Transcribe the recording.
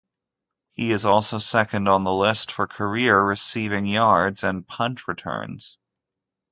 He is also second on the list for career receiving yards and punt returns.